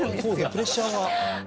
プレッシャーが。